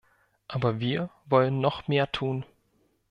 Aber wir wollen noch mehr tun.